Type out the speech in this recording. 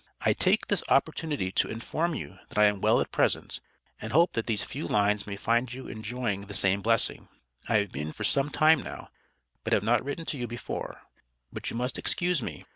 I take this opportunity to inform you that I am well at present, and hope that these few lines may find you injoying the same Blessing, I have Been for some time now, But have not written to you Before, But you must Excuse me.